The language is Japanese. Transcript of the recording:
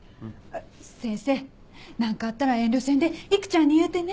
先生何かあったら遠慮せんで育ちゃんに言うてね。